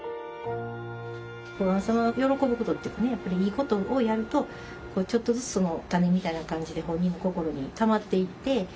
小雁さんが喜ぶことっていうかいいことをやるとちょっとずつ“種”みたいな感じで本人の心にたまっていって。